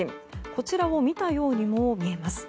こちらを見たようにも見えます。